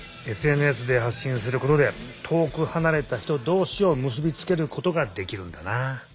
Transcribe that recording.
ＳＮＳで発信することで遠くはなれた人どうしをむすびつけることができるんだな。